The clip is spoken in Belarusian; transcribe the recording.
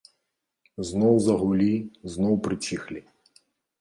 Зноў загулі, зноў прыціхлі.